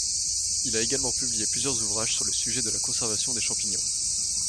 Il a également publié plusieurs ouvrages sur le sujet de la conservation des champignons.